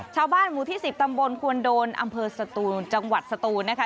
ชาวบ้านหมู่ที่๑๐ตำบลควนโดนอำเภอสตูนจังหวัดสตูนนะคะ